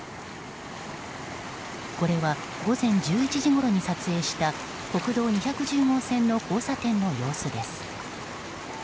これは午前１１時ごろに撮影した国道２１０号線の交差点の様子です。